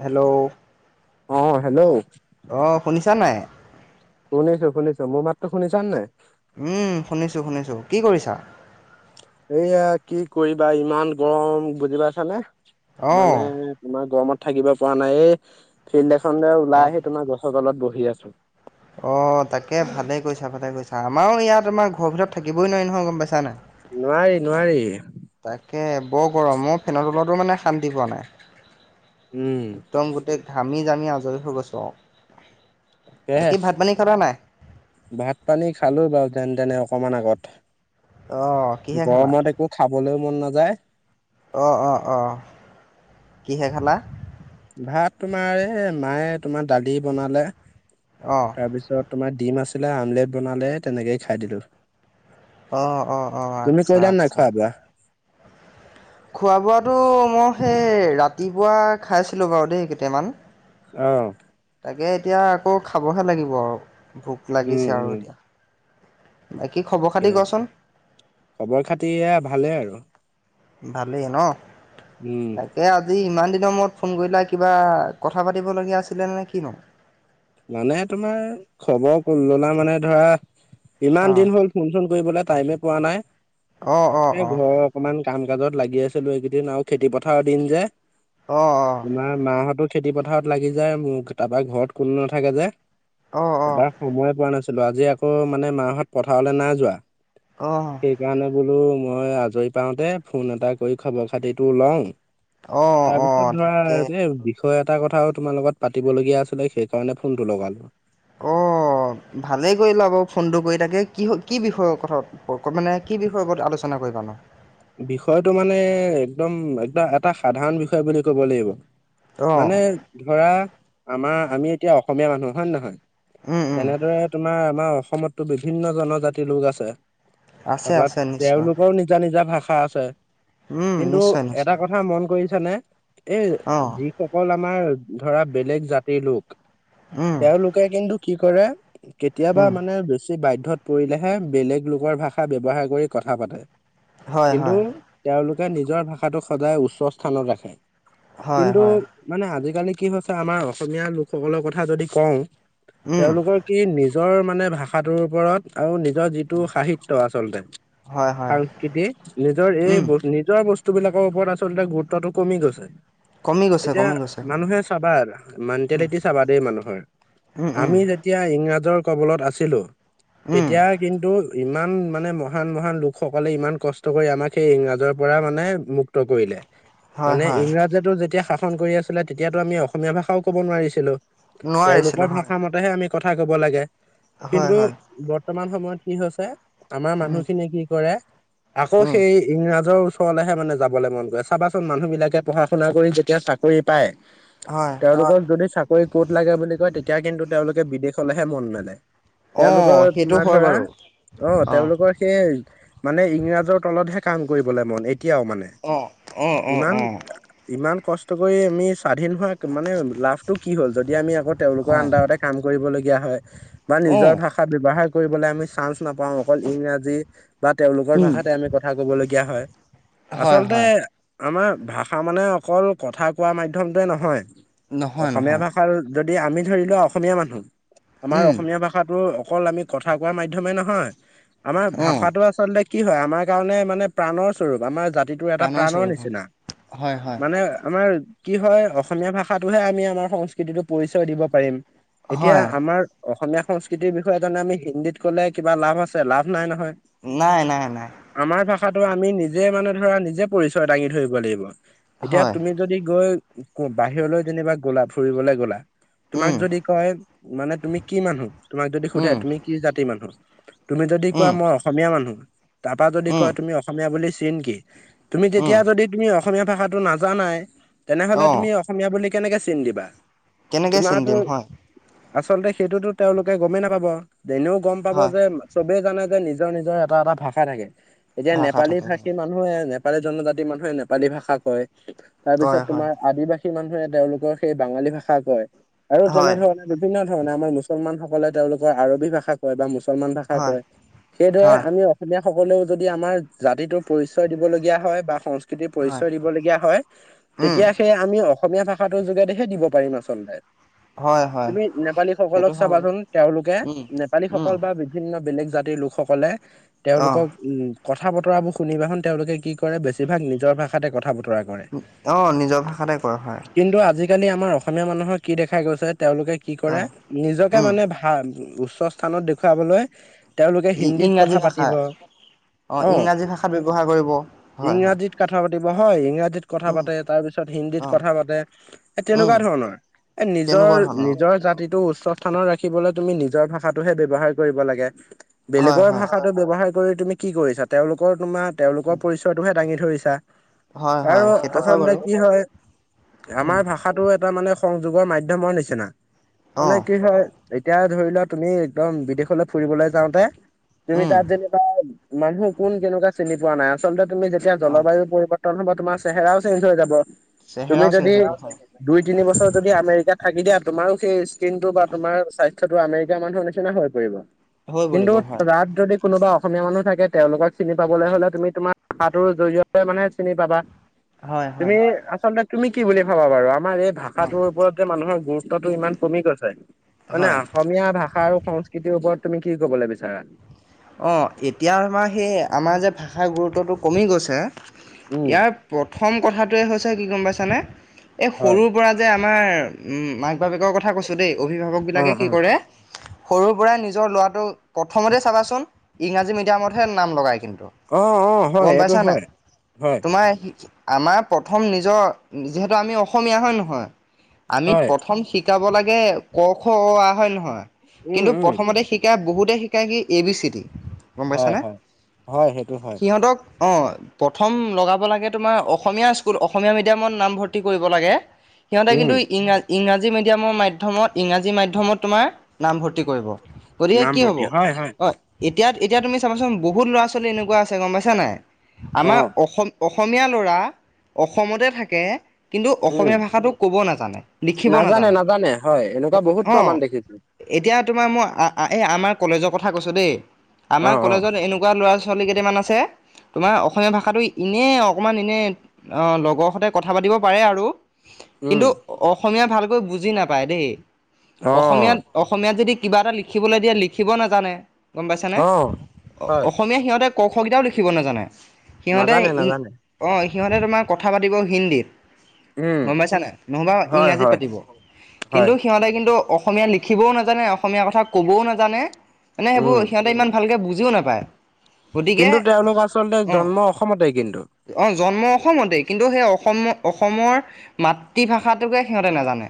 Hello. অহ' hello. অ' শুনিছানে নাই? শুনিছো শুনিছো মোৰ মাতটো শুনিছো নাই? উম, শুনিছো শুনিছো কি কৰিছা? এইয়া কি কৰিবা ইমান গৰম বুজি পাইছানে? অঁ মানে তোমাৰ গৰমত থাকিব পৰা নাই এই ফেন দে [unintelligible] ওলাই আহি তোমাৰ গছৰ তলত বহি আছো। অহ' তাকে ভালে কৰিছা ভালে কৰিছা। আমাৰো ইয়াত আমাৰ ঘৰৰ ভিতৰত থাকিবই নোৱাৰি নহয় গ'ম পাইছান নোৱাৰি নাই। নোৱাৰি তাকে বৰ গৰম অ' ফেনৰ তলত তোৰ মানে শান্তি পোৱা নাই। উম। একদম গোটেই ঘামি জামি আজৰি হৈ গৈছোঁ আৰু। বাকী হে ভাত পানী খালা নাই? ভাত পানী খালো বাৰু যেন তেনে অকমান আগত। অঁ কিহে খালা? গৰমত একো খাবলৈও মন নাযায়। অহ' অহ' অহ' কিহে খালা? ভাত তোমাৰ এই মায়ে তোমাৰ দালি বনালে, অঁ তাৰপিছত তোমাৰ দিম আছিলে, আমলেট বনালে, তেনেকেই খাই দিলোঁ। অহ' অহ' অহ' আচ্ছা, আচ্ছা। খোৱা বোৱা খোৱা বোৱাটো মই সেই ৰাতিপুৱা খাইছিলো বাৰু দেই কেইটামান। আহ। তাকে এতিয়া আকৌ খাবহে লাগিব আৰু ভোক উম লাগিছে উম আৰু এতিয়া বাকী খবৰ ঠিকে খাতি আছে কচোন খবৰ খাতি ভালে আৰু ভালেই ন উম তাকে আজি ইমান দিনৰ মূৰত ফোন কৰিলে কিবা কথা পাতিবলগীয়া আছিলে নে কিনো মানে তোমাৰ খবৰ ললা মানে ধৰা ইমান অ দিন হ'ল ফোন চোন কৰিবলৈ টাইমে পোৱা নাই অ অ এ ঘৰৰ অকমান কাম কাজত লাগি আছিলো এইকেইদিন আৰু খেতি পথাৰৰ দিন যে অ অ তোমাৰ মাহঁত খেতি পথাৰত লাগি যায় মোৰ তাৰপা ঘৰত কোনো নাথাকে যে অ অ তবাৰ সময়ে পোৱা নাছিল আজি আকৌ মানে মাহাহত পথাৰলৈ নাই যোৱা অ সেইকাৰণে বোলো মই আজৰি পাওতে ফোন এটা কৰি খবৰ খাতিটো লওঁ অ অ অ তাৰপিছত ধৰা তাকে এ থ এটা কথাও তোমাৰ লগত পাতিব লগীয়া আছিলে সেইকাৰণে ফোনটো লগালো অ অ ভালে কৰিলা বাৰু ফোনটো কৰি তাকে কি কি বিষয়ৰ কথা মানে কি বিষয়ৰ ওপৰত আলোচনা [inaudible] বিষয়টো মানে একদম একদম এটা সাধাৰণ বিষয় বুলি ক'ব লাগিব অ মানে ধৰা আমাৰ আমি এতিয়া অসমীয়া মানুহ হয় নে নহয় উম উম তেনেদৰে তোমাৰ আমাৰ অসমতো বিভিন্ন জনজাতিৰ লোক আছে আছে তাৰপৰা আছে নিশ্চয় তেওঁলোকৰ নিজা নিজা ভাষা আছে উম কিন্তু নিশ্চয় এটা নিশ্চয় কথা মন কৰিছে -চানে এই অ যিসকল আমাৰ ধৰা বেলেগ জাতিৰ লোক উম তেওঁলোকে কিন্তু কি কৰে কেতিয়াবা উম মানে বেছি বাধ্য ত পৰিলেহে বেলেগ লোকৰ ভাষা ব্যৱহাৰ কৰি কথা পাতে হয় কিন্তু হয় তেওঁলোকে নিজৰ ভাষাটোক সদায় উচ্চ স্থানত ৰাখে হয় কিন্তু হয় মানে আজিকালি কি হৈছে আমাৰ অসমীয়া লোকসকলৰ কথা যদি কওঁ উম তেওঁলোকৰ কি নিজৰ মানে ভাষাটোৰ ওপৰত আৰু নি নিজৰ যিটো সাহিত্য আচলতে হয় হয় সাংস্কৃতি নিজৰ এই উম নিজৰ বস্তু বস্তুবিলাকৰ ওপৰত আচলতে গুৰুত্বটো কমি গৈছে কমি গৈছে এতিয়া কমি গৈছে মানুহে চাবা উম মেণ্টেলিটি চাবা দেই মানুহৰ উম উম আমি যেতিয়া ইংৰাজৰ বলত আছিলো উম তেতিয়া কিন্তু ইমান মানে মহান মহান লোকসকলে ইমান কষ্ট কৰি আমাক সেই ইংৰাজৰ পৰা মানে মুক্ত কৰিলে হয় মানে হয় ইংৰাজেতো যেতিয়া শাসন কৰি আছিলে তেতিয়াতো আমি অসমীয়া ভাষাও ক'ব নোৱাৰিছিলো তেওঁলোকৰ নোৱাৰিছিলোঁ হয় ভাষা মতেহে আমি কথা কব লাগে হয় কিন্তু হয় বৰ্তমান সময়ত কি হৈছে আমাৰ মানুহ উম খিনিয়ে কি কৰে আকৌ উম সেই ইংৰাজৰ ওচৰলৈহোনে যাবলৈ মন কৰে চাবাচোন মানুহবিলাকে পঢ়া শুনা কৰি যেতিয়া চাকৰি পায় হয় তেওঁলোকক যদি চাকৰি কত লাগে বুলি কয় তেতিয়া কিন্তু তেওঁলোকে বিদেশলৈহে মন নেলায় অঁ তেওঁলোকৰ সেইটো তোমাৰ হয় ধৰা বাৰু অ অঁ তেওঁলোকৰ সেই মানে ইংৰাজ ম ম অঁ অঁ অঁ অঁ কৰি আমি স্বাধীন হোৱা মানে লাভটো কি হ'ল যদি আমি আকৌ তেওঁলোকৰ হয় আণ্ডাৰতে কাম কৰিব ল বা অঁ নিজৰ ভাষা ব্যৱহাৰ কৰিব আম চ নাপাওঁ অকল ইংৰাজী বা তেওঁলোকৰ উম ভাষাত আমি কথা কবলগীয়া হয় হয় আচলতে হয় আমাৰ ভাষা মানে অকল কথা কোৱা মাধ্যমটোৱে নহয় নহয় অসমীয়া নহয় ভাষাৰ যদি আমি ধৰি লোৱা অসমীয়া মানুহ আমাৰ উম অসমীয়া ভাষাটো অকল আমি কথা কোৱা মাধ্যমে নহয় আমাৰ অঁ ভাষাটো আচলতে কি হয় আমাৰ কাৰণে মানে প্ৰাণ স্বৰূপ আমাৰ জা যিটো এটা প্ৰাণৰ স্বৰূপ হয় নিচিনা। হয় হয় মানে আমাৰ কি হয় অসমীয়া ভাষাটোহে আমি আমাৰ সংস্কৃতিটো পৰিচয় দিব পাৰিম। এতিয়া হয়। আমাৰ অসমীয়া সংস্কৃতিৰ বিষয়ে জনে আমি হিন্দীত ক'লে কিবা লাভ আছে, লাভ নাই নহয়। নাই নাই নাই। আমাৰ ভাষাটো আমি নিজে মানে ধৰা নিজে পৰিচয় দাঙি ধৰিব লাগিব। এতিয়া হয় তুমি যদি গৈ বাহিৰলৈ যেনিবা গলা ফুৰিবলৈ গ'লা উম তোমাক যদি কয় মানে তুমি কি মানুহ তোমাক যদি উম সোধে তুমি কি জাতিৰ মানুহ তুমি যদি উম কোৱা মই অসমীয়া মানুহ, তাৰপৰা যদি উম কোৱা তুমি অসমীয়া বুলি চিন কি? তুমি উম তেতিয়া যদি তুমি অসমীয়া ভাষাটো নাজানাই তেনেহলে তুমি অসমীয়া বুলি কেনেকে চিন্ দিবা। কেনেকে চিন তোমাৰতো দিম হয়। আচলতে সেইটোতো তেওঁলোকে গ'মেই নাপাব। এনেও গ'ম পাব হয় যে চবেই জানে নিজৰ নিজৰ এটা এটা ভাষা থাকে। এতিয়া ভাষা নেপালি থাকে ভাষী হয় মানুহে নেপালী জনজাতি মানুহে নেপালী ভাষা কয়, তাৰ কয় পিছত হয় তোমাৰ আদিবাসী মানুহে তেওঁলোকৰ সেই বাঙালী ভাষা কয়, আৰু হয় তেনেধৰণে বিভিন্ন ধণে আমাৰ মুছলমান সকলে তেওঁলোকৰ আৰবী ভাষা কয় বা মুছলমান ভাষা হয় কয়, সেইদৰে হয় আমি অসমীয়া সকলেও যদি আমাৰ জাতিটোৰ পৰিচয় দিবলগীয়া হয় বা সংকৃতি কৃতি হয় পৰিচয় দিবলগীয়া হয়, উম তেতিয়া সেই আমি অসমীয়া ভাষা টোৰ যোগেদিহে দিব পাৰিম আচলতে। হয়। হয় তুমি নেপালী সেইটো সকলক হয় বাৰু চাবাচোন তেওঁলোকে উম উম নেপালীসকল বা বিভিন্ন বেলেগ জাতিৰ লোকসকলে অ তেওঁলোকক উম কথা বতৰাবোৰ শুনিবা চোন তেওঁলোকে কি কৰে বেছিভাগ নিজৰ ভাষাতে কথা বতৰা ৰা কৰে, অ নিজৰ ভাষাতে কয় হয় কিন্তু আজি আজিকালি আমাৰ অসমীয়া মানুহৰ কি দেখা গৈছে তেওঁলোকে কি অ কৰে নিজকে উম মানে ভাল উচ্চ স্থানত দেখুৱাবলৈ তেওঁলোকে হিন্দীত কথা ইংৰাজী পাতি ভাষা ত কথা অ ইংৰাজী পাতিব, ভাষাত ব্যৱহাৰ কৰিব হয় হয় ইংৰাজীত কথা পাতিব, হয় ইংৰাজী ত কথা উম পাতে তাৰ পিছত হিন্দীত অ কথা পাতে এই উম তেনেকুৱা ধৰণৰ। এ তেনেকুৱা নিজৰ ধৰণৰ নিজৰ জাতিটো উচ্চ স্থানত ৰাখিবলৈ তুমি নিজৰ ভাষাটোহে ব্যৱহাৰ কৰিব লাগে। হয় হয়। হাৰ কৰি তুমি কি কৰিছা, তেওঁলোকৰ তোমাৰ তেওঁলোকৰ পৰিচয়টোহে দাঙি ধৰিছা। হয় আৰু হয় সেইটো হয় আচলতে বাৰু কি হয়, উম আমাৰ ভাষাটো এটা মানে সংযোগৰ মাধ্যমৰ নিচিনা। অ মানে কি হয় এতিয়া ধৰি লোৱা তুমি একদম বিদেশলৈ ফুৰিবলৈ যাওঁতে তুমি উম তাত যেনিবা মানুহে কোন কেনেকুৱা চিনি পোৱা নাই, আচলতে তুমি যেতিয়া অ জলবায়ু পৰিৱৰ্তন হব তোমাৰ চেহেৰাও চেঞ্জ হৈ যাব। তুমি চেহেৰাও চেঞ্জ যদি হ'ব হয় দুই তিনি বছৰ যদি আমেৰিকাত থাকি দিয়া তোমাৰো সেই স্কিন টো বা তোমাৰ স্বাস্থ্যটো আমেৰিকাৰ মানুহৰ নিচিনা হৈ পৰিব। হৈ কিন্তু পৰিব হয়। তাত যদি কোনোবা অসমীয়া মানুহ থাকে, তেওঁলোকক চিনি পাবলৈ হ'লে তুমি তোমাৰ ভাষাটোৰ জৰিয়তে মানে চিনি পাবা। হয় হয় তুমি আচলতে তুমি কি বুলি ভাবা বাৰু? আমাৰ এই অ ভাষাটোৰ ওপৰত যে মানুহৰ গুৰুত্ব তটো ইমান কমি গৈছে। মানে হয় অসমীয়া ভাষা আৰু সংস্কৃতিৰ ওপৰত তুমি কি কবলৈ বিচাৰা? অ' এতিয়া আমাৰ সেই আমাৰ যে ভাষাৰ গুৰুত্বটো কমি গৈছে উম ইয়াৰ প্ৰথম কথাটোৱে হৈছে কি গ'ম পাইছানে, এই হয় সৰুৰ পৰা যে আমাৰ উ মাক বাপেকৰ কথা কৈছো দেই অভিভাৱক অ বিলাকে কি কৰে সৰু পৰাই নিজৰ লৰাটোক প্ৰথমতে চাবাচোন ইংৰাজী মিডিয়ামতহে নাম লগাই কিন্তু। অ অ অ হয় গ'ম এইটো পাইছা নাই। হয়। হয় তোমাৰ আমাৰ প্ৰথম নিজৰ যিহেতু আমি অসমীয়া হয়নে নহয়? আমি হয় প্ৰথম শিক্ষা শিকাব লাগে ক, খ, অ, আ, হয় নহয়। উম কিন্তু উম প্ৰথমতে শিকাই বহুত কাই কি এ, বি, চি, দি, গম হয় পাইছানে। হয়। হয় সেইটো হয় সিহঁতক অ', প্ৰথম লগাব লাগে তোমাৰ অসমীয়া স্কুল অসমীয়া মিডিয়ামত নামভৰ্তি কৰিব লাগে। সিহঁতে উম কিন্তু ইংৰাজ ইংৰাজী মিডিয়ামৰ মাধ্যমত ইংৰাজী মাধ্যমত তোমাৰ নামভৰ্তি কৰিব। গতিকে কি হ'ব? হয়, এতিয়াত এতিয়া তুমি চাবাচোন বহুত ল'ৰা ছোৱালী এনেকুৱা আছে গম পাইছা নাই। অ আমাৰ অসম অসমীয়া ল'ৰা অসমতে থাকে। কিন্তু উম। অসমীয়া ভাষাটো ক'ব নাজানে, লিখিব নাজানে। হয় এনেকুৱা বহুত অ'। প্ৰমাণ দেখিছো এতিয়া তোমাৰ মই আ, আ, এই আমাৰ কলেজৰ কথা কৈছোঁ দেই, অ আমাৰ অ কলেজত এনেকুৱা ল'ৰাছ ছোৱালি কেইটামান আছে। তোমাৰ অসমীয়া ভাষাটো ইনে অকমান এনে অ', লগৰ সতে কথা পাতিব পাৰে আৰু। উম। কিন্তু অসমীয়া ভালকৈ বুজি নাপায় দেই। অ অসমীয়াত অসমীয়াত যদি কিবা এটা লিখিবলৈ দিয়ে লিখিব নাজানে, গম পাইছানে। অ হয় অসমীয়া সিহঁতে ক, খ, কেইটাও লিখিব নাজানে। সিহঁতে নাজানে ইন, নাজানে অ', সিহঁতে তোমাৰ কথা পাতিব হিন্দীত। উম গম পাইছা নাই, নহ'বা হয় ইংৰাজীত হয় পাতিব। কিন্তু হয় সিহঁতে কিন্তু অসমীয়া লিখিবও নাজানে, অসমীয়া কথা ক'বও নাজানে, মানে সেইবোৰ উম। সিহঁতে ইমান ভালকে বুজ জিও নাপায়, গতিকে কিন্তু তেওঁলোক আচলতে অ'। জন্ম অসমতে কিন্তু অ', জন্ম অসমতেই কিন্তু সেই অসম অসমৰ মাতৃভাষাটোকে সিহঁতে নাজানে।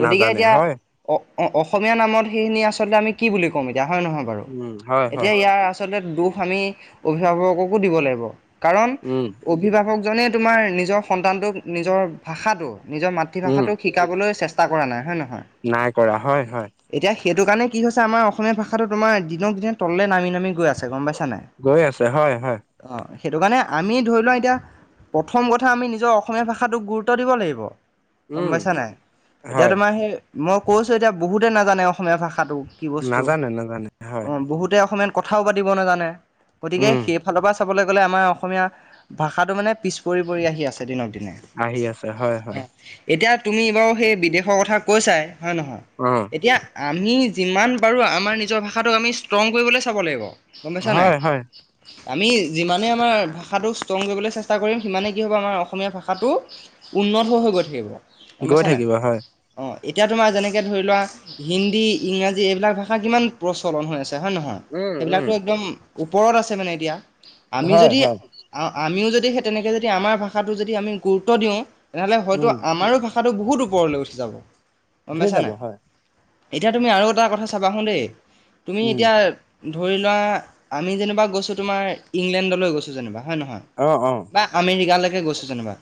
গতিকে নাজানে এতিয়া হয়। অ অ', অসমীয়া নামত সেইখিনি আচলতে আমি কি বুলি ক'ম এতিয়া হয় নহয় বাৰু? উম, হয়, হয়, এতিয়া ইয়াৰ আচলতে দুখ আমি অভিভাৱককো দিব লাগিব। কাৰণ উম, অভিভাৱক জনেই তোমাৰ নিজৰ সন্তানটোক নিজৰ ভাষাটো নিজৰ উম, মাতৃভাষাটো শিকাবলৈ চেছ টা, কৰা নাই হয় ন'? নাই কৰা হয়, হয়। সেইটো কাৰণে কি হৈছে আমাৰ অসমীয়া ভাষাটো তোমাৰ দিনক দিনে তললে নামি নামি গৈ আছে গম পাইছ গৈ আছে হয়, হয়। সেইটো কাৰণে আমি ধৰি লোৱা এতিয়া প্ৰথম কথা আমি নিজৰ অসমীয়া ভাষাটোক গুৰুত্ব দিব লাগিব। গম উম, পাইছা নাই। এতিয়া হয়, তোমাৰ সেই মই কৈছোঁ এতিয়া বহুতে নাজানে অসমীয়া ভাষাটো। চ, নাজানে, নাজানে হয়, অ', বহুতে অসমীয়াত কথাও পাতিব নাজানে, গতিকে উম, সেইফালৰ পৰা চাবলৈ গ'লে আমাৰ অসমীয়া ভাষাটো মানে পিছ পৰি পৰি আহি আছে দিনক দিনে। আহি আছে হয়, হয়, অ', এতিয়া তুমি বাৰু সেই বিদেশৰ কথা কৈছাই হয় নহয়। অ', এতিয়া আমি যিমান বাৰু আমাৰ নিজৰ ভাষাটোক আমি ষ্ট্ৰং কৰিবলৈ চাব লাগিব, গম পাইছা নাই? হয়, হয়, আমি যিমানে আমাৰ ভাষাটো ষ্ট্ৰং কৰিবলৈ চেষ্টা কৰিম সিমানেই কি হ'ব আমাৰ অসমীয়া ভাষাটো উন উন্নত হৈ হৈ গৈ থাকিব। গম গৈ পাইছা নাই থাকিব হয়। অঁ এতিয়া তোমাৰ যেনেকে ধৰি লোৱা হিন্দী, ইংৰাজী এইবিলাক ভাষা কিমান প্ৰচলন হৈ আছ তে হয় নে নহয়? উম, উম, সেইবিলাকতো একদম ওপৰত আছে মানে এতিয়া। আমি হয়, যদি হয়, আ, আমিও যদি সেই তেনেকে যদি আমাৰ ভাষাটো যদি আমি গুৰুত্ব দিওঁ। তেনেহ'লে হয়তো উম, আমাৰো ভাষাটো বহুত ওপৰলৈ উঠি যাব। গম উঠি পাইছা যাব নাই হয়। এতিয়া তুমি আৰু এটা কথা চাবা হোন দে, তুমি উম, এতিয়া ধৰি লোৱা আমি যেনিবা গৈছোঁ তোমাৰ ইংলেণ্ডলৈ গৈছোঁ যেনিবা। হয় নহয় অ', অ', বা আমেৰিকালেকে গৈছোঁ যেনিবা।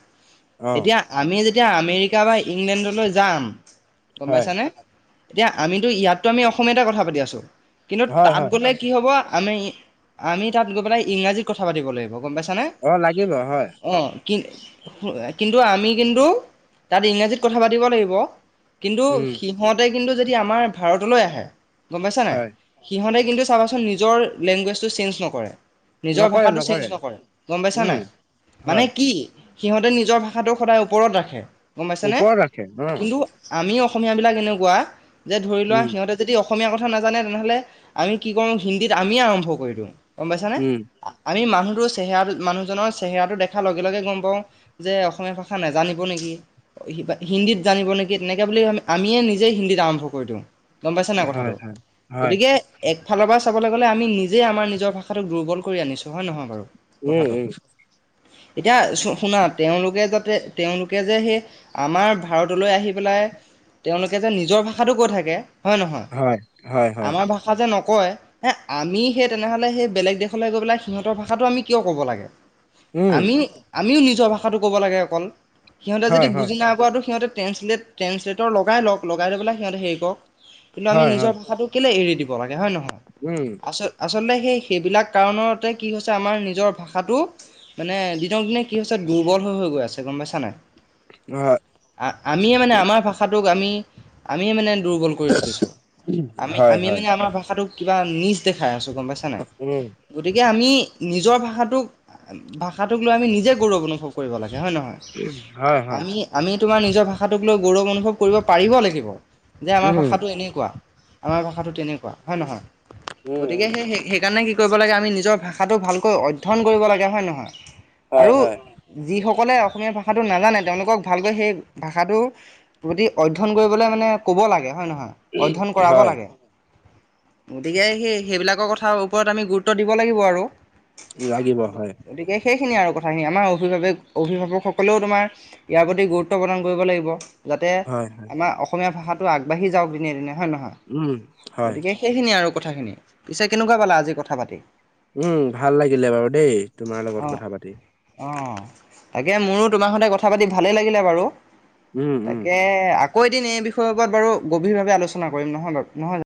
অ', এতিয়া আমি য তিয়া আমেৰিকা বা ইংলেণ্ডলৈ যাম, গম হয়, পাইছানে? এতিয়া আমিতো ইয়াততো আমি অসমীয়াতে কথা পাতি আছোঁ, কিন্তু হয়, তাত হয়, গ'লে কি হ'ব আমি আমি তাত গৈ পেলাই ইংৰাজীত কথা পাতিব লাগিব গম পাইছ অ', লাগিব হয়। কিন সুয়ে, কিন্তু আমি কিন্তু তাত ইংৰাজীত কথা পাতিব লাগিব। কিন্তু উম, সিহঁতে কিন্তু যদি আমাৰ ভাৰতলৈ আহে গম পাইছা নাই? হয়, সিহঁতে কিন্তু চাবাচোন নিজৰ লেংগুৱেজটো চেঞ্জ নকৰে। নিজৰ ভাষাটো চেঞ্জ নকৰে গম পাইছা উম, নাই মানে হয়, কি? সিহঁতে নিজৰ ভাষাটো সদায় ওপৰত ৰাখে গম পাইছেনে ওপৰত ৰাখে অ', কিন্তু আমি অসমীয়া বিলাক এনেকুৱা যে ধৰি লোৱা উম, সিহঁতে অসম কথা নানে তেনেহলে আমি কি কৰ হিন্দীত আমিয়ে আৰম্ভ কৰি দিওঁ গম পাইছানে। উম, আমি মানুহটোৰ চেহেৰা, মানুহজনৰ চেহেৰাটো দেখাৰ লগে, লগে গম পাওঁ যে অসমীয়া ভাষা নোজানিব নেকি। হিন্দীত জানিব নেকি তেনেকে বুলি আমিয়ে নিজেই হিন্দীত আৰম্ভ কৰি দিওঁ। গম পাইছে নাই হয়, কথাটো হয়, হয়, গতিকে একফালৰ পৰা চাবলৈ গ'লে আমি নিজেই আমাৰ নিজৰ ভাষাটোক দুৰ্বল কৰি আনিছোঁ হয়, নহয় বাৰু উম, কথাটো। উম, এতিয়া শুনা তেওঁলোকে যাতে তেওঁলোকে যে সেই আমাৰ ভাৰতলৈ আহি পেলাই তেওঁলোকে যে নিজৰ ভাষাটো কৈ থাকে হয়, নহয়, হয়, হয়, হয়, আমাৰ ভাষা যে ন কয় হে আমি সেই তেনেহ'লে সেই বেলেগ দেশলৈ গৈ পেলাই সিহঁতৰ ভাষাটো আমি কিয় ক'ব লাগে। উম, আমিও, আমিও নিজৰ ভাষাটো ক'ব লাগে অকল সিহঁতে যদি হয়, হয়, বুজি নাপোৱাতটো সিহঁতে ট্ৰেন্ঞ্চলেট, ট্ৰেঞ্চলেটৰ লগাই, লওক লগাই পেলাই সিহঁতে হেৰি কৰক কিন্তু হয়, হয়, নিজৰ ভাষাটো কেলৈ এৰি দিওঁ দিব লাগে হয়, নহয়, উম, আ, আ আচলতে সেই সেইবিলাক কাৰণতে কি হৈছে আমাৰ নিজৰ ভাষাটো মানে দিনক দিনে কি হৈছে। দুৰ্বল হৈ গৈ আছে গম পাইছা নাই। হয়, আমিয়ে মানে আমাৰ ভাষাটোক আমি, আমিয়ে মানে দুৰ্বল কৰি আমি, হয়, আমি হয়, মানে আমাৰ ভাষটোক কিবা নিজ দেখাই আছো। গম পাইছা নাই, উম, গতিকে আমি নিজৰ ভাষাটোক, ভাষাটোক লৈ আমি নিজে গৌৰৱ অনুভৱ কৰিব লাগে। হয়, নহয় হয়, হয়, আমি, আমি তোমাৰ নিজৰ ভাষোক লৈ গৌৰৱ অনুভৱ কৰিব পাৰিব লাগিব যে আমাৰ ভাষা উম, আমাৰ ভাষাটো তেনেকুৱা হয়, নহয়, উম, উম, গতিকে সেই, সেইকাৰণে নিজৰ ভষাটো ভকৈ অধয় কৰিব লাগ হয়, নহয়। হয়, আৰু হয়, যি লে অসমীয়া ভাষাটো নাজানে তেওঁলোকক ভালকৈ সেই ভাষাটোৰ প্ৰতিধ্যয়ন কৰিব মানে লাগ হয় নহয় অধয়ন কৰাব হয়, লাগে। গতিকে সেই সেইবিলাকৰ কথা ওপৰত আমি গুৰুত্ব দিব লাগিব আৰু। লাগিব হয়, গতিকে সেইখিনি আৰু [unintelligible] আমাৰ অভিভাৱক, অভিভাৱকসকলেও তোমাৰ ইয়াৰ প্ৰতি গুৰুত্ব প্ৰদান কৰিব লাগিব। যাতে হয়, আমাৰ অসমীয়া ভাষাটো আগবাঢ়ি যাওক দিনে, দিনে। নহয়, নহয় উম, হয়, গতিকে সেইখিনিয়ে আৰু কথাখিনি পিছে কেনেকুৱা পালা আজি কথা পাতি উম, ভাল লাগিলে বাৰু দেই তোমাৰ লগত অ কথা পাতি অ, তাকে মোৰো তোমাৰ সৈতে কথা পাতি ভালেই লাগিলে বাৰু উম, উম। তাকে আকৌ এদিন এই বিয়ৰ ওপৰত বাৰু গভীৰভাৱে আলোচনা কৰিম নহয় বাৰক নহয়।